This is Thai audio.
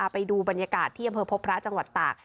ไปดูบรรยากาศที่อำเภอพบพระจังหวัดตาก